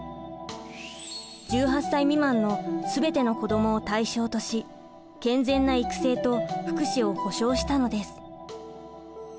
１８歳未満の全ての子どもを対象とし健全な育成と福祉を保障したのです。